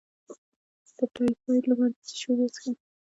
د ټایفایډ لپاره د څه شي اوبه وڅښم؟